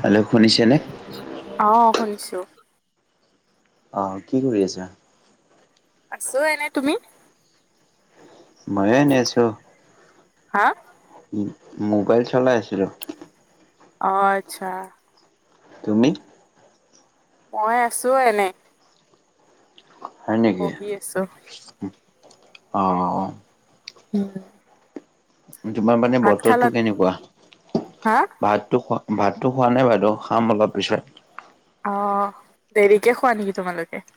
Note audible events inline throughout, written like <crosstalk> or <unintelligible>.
Hello শুনিছে নে? অ' শুনিছো। অঁ, কি কৰি আছা? আছোঁ এনে, তুমি? ময়ো এনে আছোঁ। হা? উম, মোবাইল চলাই আছিলো। অ' আচ্ছা। তুমি? মই আছো এনে। হয় নেকি বহি আছো অ অ অ <unintelligible> তোমাৰ মানে ভাত বতৰটো খালাত কেনেকুৱা হা ভাতো খোৱা, ভাতটো খোৱা নাই বাৰু খাম অলপ পিছত। অ দেৰিকে খোৱা নেকি তোমালোকে।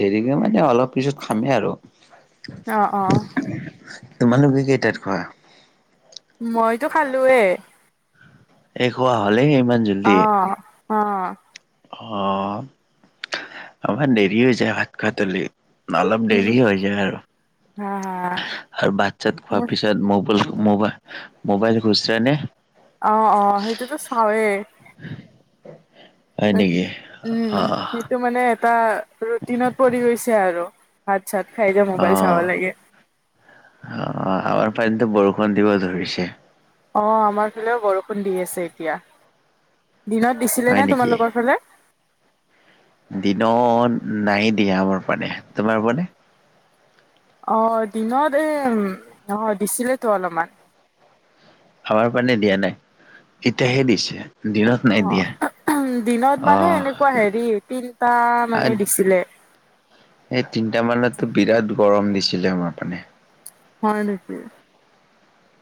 দেৰিকে মানে অলপ পিছত খামেই আৰু অ অ, তোমালোকে কেইটাত খোৱা। মইতো খালোৱে, এই খাৱা হ'লে ইমান জো অ অ অ আমাৰ দেৰি হৈ যায় ভাত খোৱাত অলপ দেৰি হৈ যায় আৰু অ হা, আৰু ভাত চাত খোৱাৰ হা পিছত মবল মবাই মোবাইল ঘুচ যায় নে। অ অ সেইটোতো চাওৱে, হয় স নেকি? উম অ', স এইটো মানে এটা ৰুটিনত পৰি গৈছে আৰু ভাত চাত খাই যে মোবাইল অ'। চাব লাগে। অ আমাৰ পিনেটো বৰষুণ দিব ধৰিছে। অঁ আমাৰ ফালেও বৰষুণ দি আছে এতিয়া দিনত দিছিলে হয় নে নেকি? তোমালোকৰ ফালে। দিনত নাই দিয়া আমাৰ পিনে তোমাৰ পিনে। অ দিনত এ অ দিছিলেতো অলপমান। আমাৰ পিনে দিয়া নাই এতিয়াহে দিছে। দিনত নাই অ দিয়া উ দিনত মানে অ' এনেকুৱা হেৰি তিনটা মানে দিছিলে। এই তিনটা মানতো বিৰাট গৰম দিছিলে আমাৰ পিনে। হয় নেকি।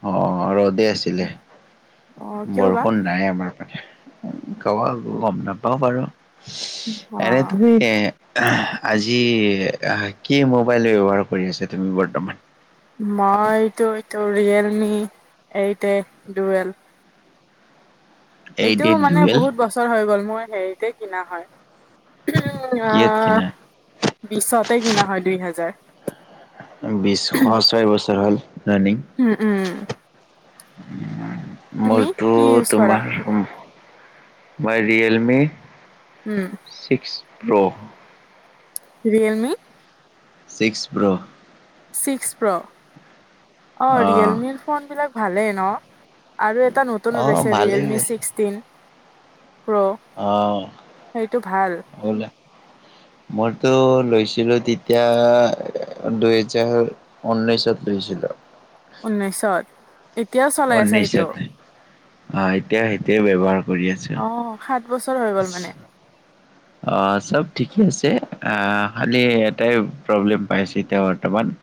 অ ৰ'দে আছিলে অ কিয় বা বৰষুণ নাই আমাৰ। কব গম নাপাও বাৰু অ এনে তুমি এ আজি কি মোবাইল ব্যৱহাৰ কৰি আছা তুমি বৰ্তমান মইটো এইটো ৰিয়েলমি এইট এ ডুৱেলভ। এইট এইটো এইট মানে ডুৱেল বহুত ব বছৰ হৈ গ'ল মোৰ হেৰিতে কিনা হয় উম কিহত আহ, কিনা বিশতে কিনা হয় দুই হাজাৰ। বিশ ছয় বছৰ হৈগল ৰানিং, উম উম তুমি মোৰতো কি ইউজ কৰা তোমাৰ উ মই ৰিয়েলমি উম six pro, Realme, six pro, six pro অ ৰিয়েলমিৰ ফোন বিলাক ভালেই ন। আৰু এটা নতুন অ', ওলাইছে ৰিয়েলমি ভালেই ছিক্সটিন। প্ৰ অ', সেইটো ভাল। ওলা মইতো লৈছিলো তেতিয়া দুহেজাৰ, ঊনৈছশত লৈছিলোঁ। ঊনৈছশত- অনিশত অ এতিয়া সেইটয়ে ব্যৱহাৰ কৰি আছো। অ, সাত বছৰ হৈ গ'ল মানে। অ চব ঠিকে আছে আহ খালি এটাই প্ৰব্লেম পাইছে এতিয়া বৰ্তমান।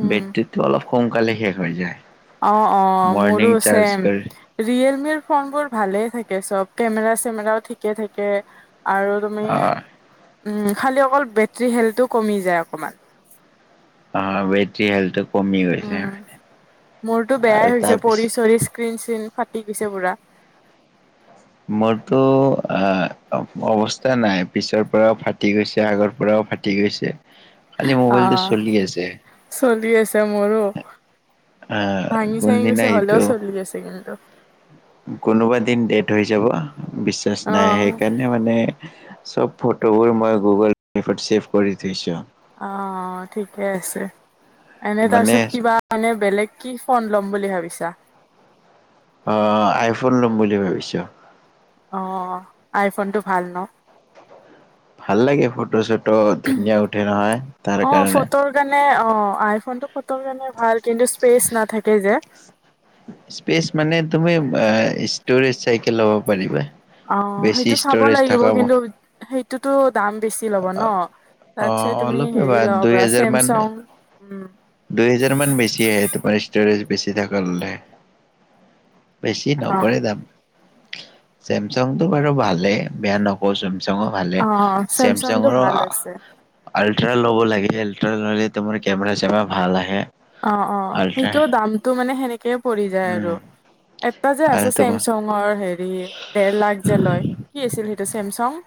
উম বেটৰিটো অলপ সোনকালে শেষ হৈ যায়। অ', অ', মৰ্ণিং মোৰো চাৰ্জ চেম। কৰি ৰিয়েলমিৰ ফোন বোৰ ভালেই থাকে চব কেমেৰা চেমেৰাও থঠিকে থাকে। আৰু তুমি অ', উম খালি অকল বেটৰী হেলটো কমি যায় অকমান। অ বেটি হেল্থটো- কমি উম গৈছে। মোৰতো আৰু বেয়াই হৈছে পৰি তাৰপিছত চৰি স্ক্ৰিন চিন ফাটি গৈছে। পুৰা মোৰতো অ অৱস্থা নাই পিছৰ পৰাও ফাটি গৈছে আগৰ পৰাও ফাটি ফাটি গৈছে। খালি অ মোবাইলটো চলি আছে চলি আছে মোৰো। আহ ভাঙি চাঙি বেছি কোনদিনা হলেও এইটো চলছেছে কিন্তু কোনোবা দিন ডেট হৈ যাব বিশ্বাস নাই অ সেইকাৰণে মানে চব ফটোবোৰ মই গুগলত চছেভ কৰি থৈছো। অ, ঠিকে আছে। এনে মানে তাৰপিছত কিবা মানে বেলেগ কি ফোন ল'ম বুলি ভাবিছা। অ, আইফোন ল'ম বুলি ভাবিছোঁ। অ আইফোন টো ভাল ন। ভাল লাগে ফটো চটো ধুনীয়া উঠে নহয় তাৰ কাৰণে। সেইটো কাৰণে অ আইফোন টো কত কাৰণে ভাল কিন্তু স্পেচ নাথাকে যে। সেচ মানে তুমি ষ্টৰেজ চাই ল'ব পাৰিবা। অ বেছি সেইটো চাব ষ্টৰেজ লাগিব থকা কিন্তু সেইটোতো দাম বেছি। ল'ব ন তাৰ অ পিত তুমি অলপে হেৰি বা লব দুই পৰা হেজাৰ মান চেমচং উম। দুই হেজাৰ মান বেছি আহে তোমাৰ ষ্টৰেজ বেছি থকা। বেছি অ নপৰে যাম চেমচংতটো বাৰু ভালে বেয়া নকৰে। চমচংৰ ভালে অ চেমচংটো চেমচংৰ ভাল আছে আল্ট্ৰা ল'ব লাগে আল্ট্ৰা ললে তোমাৰ কেমেৰা চেমেৰা ভাল আহে। অ অ আল্ট্ৰা সেইটো দামতটো মানে সেনেকেই পৰি যায় উম আৰু এটা যে আৰু আছে তোমাৰ চেমচুঙৰ হেৰি দেৰ লাখ যে লয়, কি আছিল সেইটো চেমচাং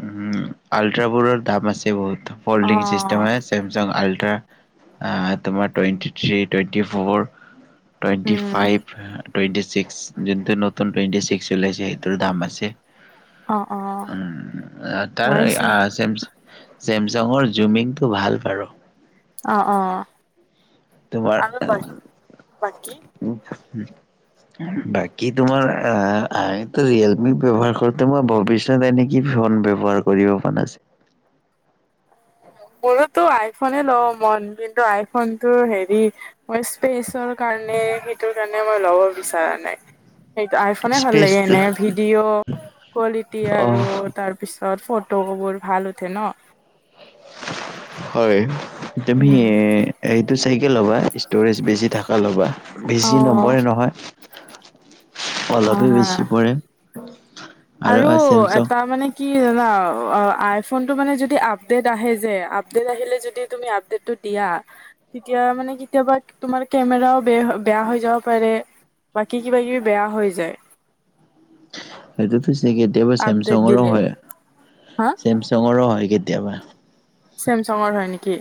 উ আল্ট্ৰ বোৰৰ দাম আছে বহুত অ ফ'ল্ডিং চিষ্টেম আছে। চেমচাং আল্ট্ৰা তোমাৰ twenty three twenty four. Twenty উম ফাইভ। টুৱেণ্টি ছিক্স যোনটো নতুন টুৱেণ্টি ছিক্স ওলাইছে সেইটোৰ দাম আছে। অ অ উম, তাৰ, চে, চেমচাঙৰ জুমিং টো ভাল বাৰু। অ অ আৰু বাকী উ বাকী তোমাৰ আমিতো ৰিয়েলমি ব্যয়ৱহাৰ কৰোতে মই ভৱিষ তাৰপিছত এনেক কি ফন ব্যৱহাৰ কৰিব মন পৰাছিল। মোৰোতো আইফনে লোৱা মন কিন্তু আইফোনটো হেৰি। মই স্পেচৰ কাৰণে সেইটোৰ কাৰণে মই ল'ব বিচৰা নাই। সেইটো আইফনে ভাল লাগে স্পেচটো এনে ভিডিঅ' কোৱালিটি অ আৰু তাৰ পিছত ফটোবোৰ ভাল উঠে ন'। হয়। তুমি উম এইটো চাইকে ল'বা ষ্ট'ৰেজ বেছি থকা ল'বা। অ বেছি নপৰে নহয়, হা অলপহে বেছি হা পৰে। আৰু এটা মানে কি জানা? আইফোনটো মানে যদি আপডেট আহে যে, আপডেট আহিলে যদি তুমি আপডেটটো দিয়া তেতিয়া মানে কেতিয়াবা তোমাৰ কেমেৰাও বে বেয়া হৈ যাব পাৰে। বাকী কিবা কিবি বেয়া হৈ যায়। সেইটোতো চে কেতিয়াবা আপডেট চেমচাংৰো দিলে হয় হা চেম ছেমছাংৰো হয় কেতিয়াবা। চেমছঙৰ হয় নেকি?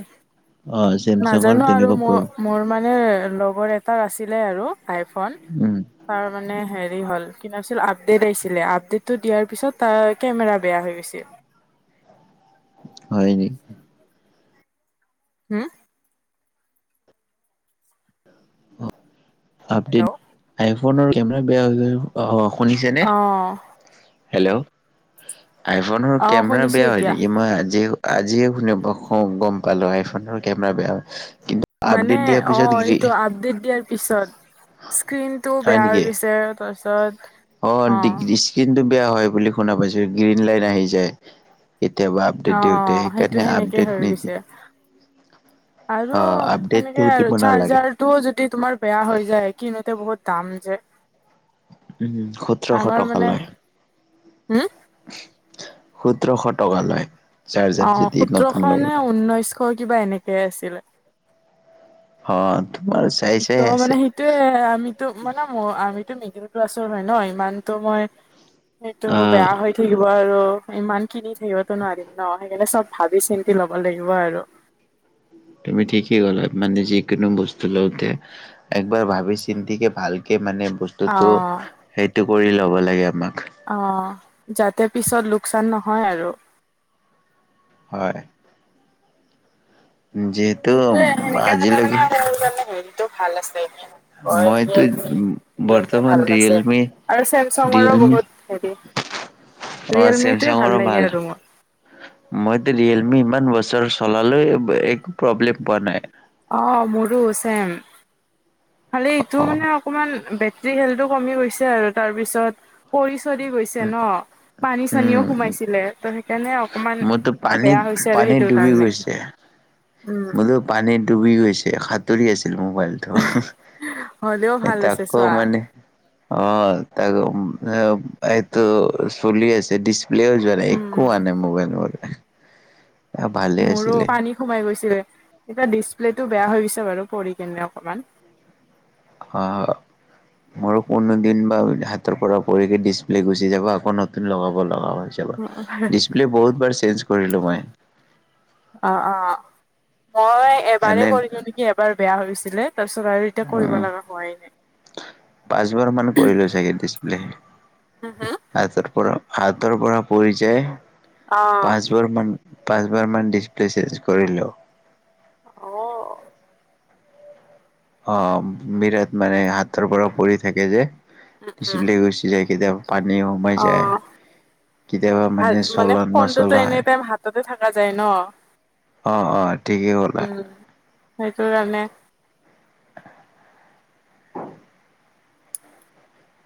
অ চেমচাঙৰ নাজানো আৰু তেনেকুৱা মই মোৰ মানে লগৰ এটাৰ আছিলে আৰু আইফোন। প্ৰব্লেম তাৰ মানে হেৰি হ'ল কি নাম আছিল আপডেটো আহিছিলে, আপডেটটো দিয়াৰ পিছত তাৰ কেমেৰা বেয়া হৈ গৈছে। হয় নি? হুম? অ আপডেট হেল্ল' আইফোনৰ কেমেৰা বেয়া হৈ <unintelligible> অ শুনিছে নে? অ হেল্ল'। আইফোনৰ অ কেমেৰা শুনিছো বেয়া হয় এতিয়া নেকি? মই আজি আজিয়ে শুনি পাওঁ গম পালো আইফোনৰ কেমেৰা বেয়া হয় কিন্তু মানে আপডেট দিয়াৰ পিছত অঁ গ্ৰী এইটো আপডেট দিয়াৰ পিছত স্ক্ৰীনটো হয় বেয়া হৈ নেকি গৈছে তাৰপিছত অ দি স্কিনটো বেয়া হয় বুলি শুনা পাইছো, গ্ৰীণ লাইন আহি যায়। কেতিয়াবা অ আপডেট অ দিওঁতে সেইটো সেইকাৰণে সেনেকে আপডেট হৈ নিদি গৈছে অ আপডেটটো দিব নালাগে। টো যদি তোমাৰ বেয়া হৈ যায় কিনোতে বহুত দাম যে। উম সোতৰশ টকা লয়। হুম? সোতৰশ টকা লয়। চাৰ্জাৰ অ' যদি নতুন সোতৰশ ল'ব নে লাগে ঊনৈশ কিবা এনেকে আছিলে। হ তোমাৰ চাই ত চাই মানে আছে সেই এ আমিতো মানে ম আমিতো মিডিল ক্লাছৰ হয় ন ইমানতো মই সেইটো উম বেয়া হৈ থাকিব আৰু ইমান কিনি থাকিবতো নোৱাৰিম ন' সেইকাৰণে চব ভাবি চিন্তি ল'ব লাগিব আৰু। তুমি ঠিকেই ক'লা মানে যিকোনো বস্তু লওঁতে একবাৰ ভাবি চিন্তিকে ভালকে মানে ব বস্তুটো অ', সেইটো কৰি ল'ব লাগে আমাক। অ' যাতে পিছত লোকচান নহয় আৰু। হয়। <unintelligible> সেইটোৱে সেনেকে হলে আজিলৈকে মানে আৰু হেৰিটো ভাল আছে <inaudible> অ' এইখিনি মইতো আপুনি <unintelligible> বৰ্তমান ভাল পাইছে। ৰিয়েলমি আৰু চেমচঙৰো ৰিয়েলমি বহুত হেৰি, অ ৰিয়েলমিটোৱে ভাল চেমচাঙৰো লাগে আৰু মোৰ। মইতো ৰিয়েলমি ইমান বছৰ চলালো একো প্ৰব্লেম পোৱা নাই। অঁ মোৰো চেম। খালি এইটো মানে অকমান বেটৰী হেলটো কমি গৈছে আৰু তাৰপিছত পৰিচয় দি গৈছে ন পানী উম চানীও সোমাইছিলে ত' সেইকাৰণে অকমাণ মোৰতো পানীত বেয়া হৈছে আৰু সেইটোৰ কাৰণে। উম, মইত পানীত ডুবি গৈছে সাঁতুৰি আছিল মোবাইল <unintelligible> হ'লেও ভাল এতিয়া আছে আকৌ চোৱা। মানে। অ' তাকে ওম এ এইটো চলি আছে দিচ প্লেয়াৰ যোৱা নাই একো হোৱা উম। নাই মোবাইল নাম্বাৰকেটা। মোৰো পানী সোমাই গৈছিলে, তেতিয়া ডিচপ্লে টো বেয়া হৈ গৈছিলে বাৰু পৰি কেনে অকমাণ। অ, মোৰো কোনো দিন বা হাতৰ পৰা পৰিকে ডিচপ্লে গুচি যাব আকৌ নতুন লগাব লগা হৈ হৈয়। ডিছপ্লে বহুত বাৰ চেইঞ্জ কৰিলো মই। অ, অ, মই এবাৰ এনে কৰিলো নেকি এবাৰ বেয়া হৈছিলে তাৰপিছত আৰু এতিয়া কৰিব উম, লগা হোৱাই পাঁচবাৰ মান নায়। কৰিলোঁ চাগে ডিচপ্লে। হো হো হাতৰ পৰা হাতৰ পৰা পৰি যায় অ', পাঁচ তোৰ মান পাঁচবাৰ মান ডিছপ্লে চেঞ্জ কৰিলো। অঁ অ' বিৰাট মানে হাতৰ পৰা পৰি থাকে যে, উম উম <unintelligible> গৈছিলে পানী সোমাই যায়। অ', কেতিয়াবা মানে চলৰ ফোনটোতো এনি নচলায়। টাইম হাততে থাকা যায় ন। অঁ অঁ। উম, সেইটো কাৰণে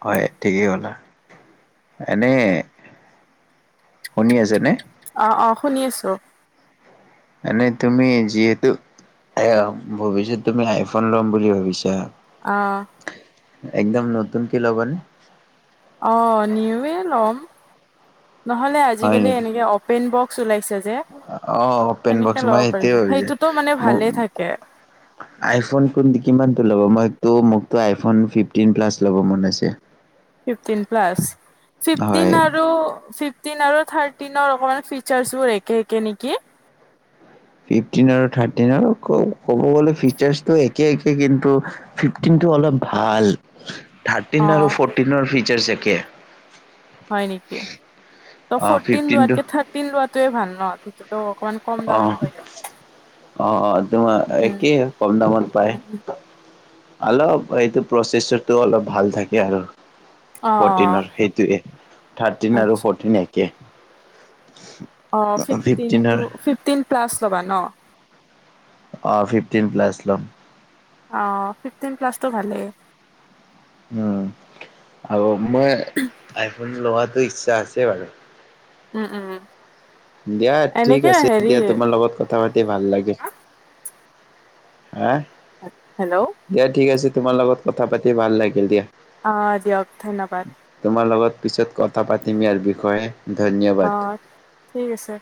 হয় ঠিকেই ক'লা। এনেই শুনি আছেনে? অ, অ, শুনি আছো। মানে তুমি যিহেতু এ ভৱিষ্যত তুমি আইফোন ল'ম বুলি ভাবিছা। অঁ। একদম নতুন কে ল'বনে? অ' নিওয়ে ল'ম। নহলে হয় আজিকালি নেকি এনেকে অপেন বক্স ওলাইছে যে। অ' অপেন সেনেকে বক্স। ল'ব মই পাৰি, সেইটোয়ে ভাবিছো সেইটোতো মানে মোৰ ভালে থাকে। আইফোন কোন কিমানদিটো ল'ব? মইটো মোকতো আইফোন ফিফটিন প্লাছ ল'ব মন আছে। ফিফটিন প্লাচ, হয় ফিফটিন আৰু ফিফ ফিফটিন আৰু থাৰ্টিনৰ অকণমান ফিচাৰ্চবোৰ একে একে নেকি? ফিফটিন আৰু থাৰ্টিনৰ ক ক'ব গলে ফিচাৰছটো একে একে কিন্তু ফিফটিনটো অলপ ভাল। থাৰ্টিন আৰু অ' ফিফটিনৰ ফিচাৰছ একে। হয় নেকি? ত অ' ফোৰ্টিন ফিফটিনটো লোৱাতকে থাৰ্টিন লোৱাটোৱে ভাল ন। ত অকমান কম দামত অঁ হৈ যাব। অঁ অঁ তোমাৰ উম, একেই কম দামত পায়। অলপ এইটো প্ৰচেছটো অলপ ভাল থাকে আৰু। অ' অ' ফৰটিনৰ সেইটোৱে থাৰ্টিন আৰু আচ্ছা। ফৰটিন একে অ' ফিফটিন টো ফিফটিনৰ ফিফটিন প্লাচ ল'বা ন! অ' ফিফটিন প্লাছ ল'ম। অ' ফিফটিন প্লাছটো ভালেই। উম আও মই আইফোন লোৱাতো ইচ্ছা আছে বাৰু। উম, উম,। দিয়া ঠিক এনেকে আছে হেৰি দিয়া, তোমাৰ লগত কথা পাতি ভাল লাগিল। এঁ! হেল্ল' দিয়া ঠিক আছে, তোমাৰ লগত কথা পাতি ভাল লাগিল দিয়া। অঁ দিয়ক, ধন্যবাদ। তোমাৰ লগত পিছত কথা পাতিম ইয়াৰ বিষ'য়ে। ধন্যবাদ। ঠিক আছে।